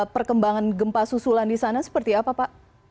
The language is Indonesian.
perkembangan gempa susulan di sana seperti apa pak